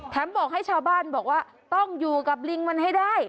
บอกให้ชาวบ้านบอกว่าต้องอยู่กับลิงมันให้ได้